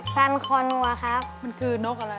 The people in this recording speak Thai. ฟันคอนัวครับมันคือนกอะไร